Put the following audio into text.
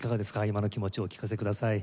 今の気持ちをお聞かせください。